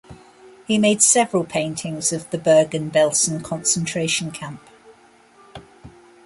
He made several paintings of the Bergen-Belsen concentration camp.